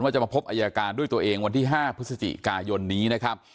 จะมาพบอายการด้วยตัวเองวันที่๕พฤศจิกายนนี้นะครับ